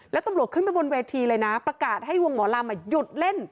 แล้วตำรวจขึ้นไปบนเวทีเลยนะประกาศให้วงหมอลำหยุดเล่น